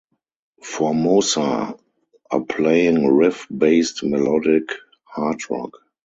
Formosa are playing riff based melodic hard rock.